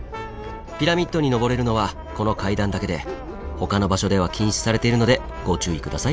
ピラミッドに上れるのはこの階段だけでほかの場所では禁止されているのでご注意下さい。